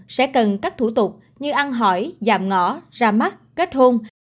sẽ cần các thủ tục như ăn hỏi giảm ngỏ ra mắt kết hôn